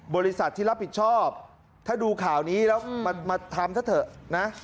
บริษัทที่รับผิดชอบถ้าดูข่าวนี้แล้วมาทำซะเถอะนะ